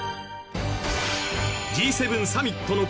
Ｇ７サミットの事